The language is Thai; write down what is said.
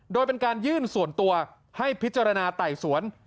โดยเป็นการยื่นส่วนตัวให้พิจารณาไต่สวน